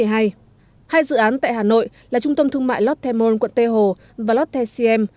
hai dự án tại hà nội là trung tâm thương mại lotte mall quận tê hồ và lotte cm